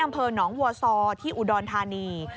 ฆวอซอที่อุดอนทานี